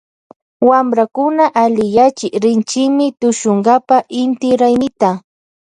Wamprakuna alliyachi rinchimi tushunkapa inti raymita.